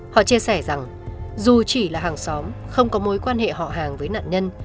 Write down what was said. họ chia sẻ rằng dù chỉ là hàng xóm không có mối quan hệ họ hàng với nạn nhân